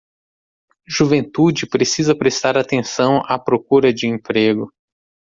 Juventude precisa prestar atenção à procura de emprego